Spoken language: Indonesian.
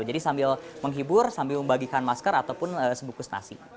jadi sambil menghibur sambil membagikan masker ataupun sebuah semukus nasi